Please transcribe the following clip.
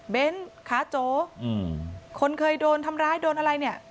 อ๋อเบนส์ค้าโจคนเคยโดนทำร้ายโดนอะไรเนี่ย